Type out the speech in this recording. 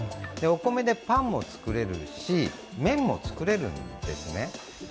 お米でパンも作れるし麺も作れるんですね。